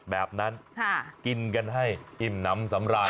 แบบนั้นกินกันให้อิ่มน้ำสำราญ